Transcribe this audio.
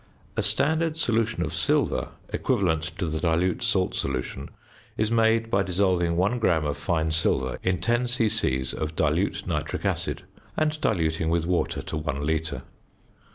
A standard solution of silver equivalent to the dilute salt solution is made by dissolving 1 gram of fine silver in 10 c.c. of dilute nitric acid, and diluting with water to one litre.